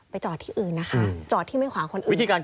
จอดที่อื่นนะคะจอดที่ไม่ขวางคนอื่น